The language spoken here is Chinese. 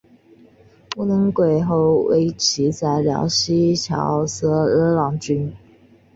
慕容廆后为其在辽西侨置乐浪郡。